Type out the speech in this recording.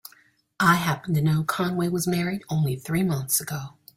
I happen to know Conway was married only three months ago.